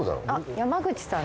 山口さん？